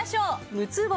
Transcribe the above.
６つ星